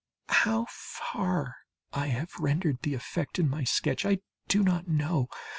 How far I have rendered the effect in my sketch, I do not know.